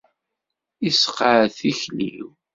Isseqɛed tikli-w.